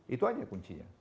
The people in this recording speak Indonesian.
itu aja kuncinya